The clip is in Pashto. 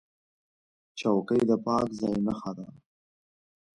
چوکۍ د پاک ځای نښه ده.